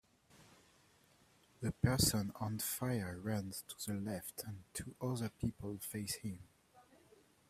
A person on fire runs to the left and two other people face him.